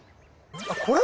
あっこれ？